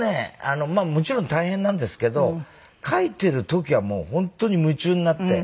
まあもちろん大変なんですけど書いてる時はもう本当に夢中になって。